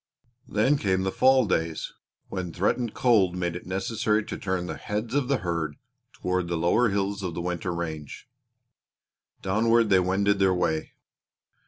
Then came the fall days, when threatened cold made it necessary to turn the heads of the herd toward the lower hills of the winter range. Downward they wended their way.